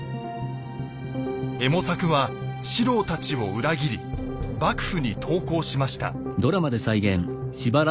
右衛門作は四郎たちを裏切り幕府に投降しました。